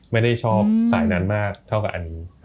ไม่ได้ชอบสายนั้นมากเท่ากับอันนี้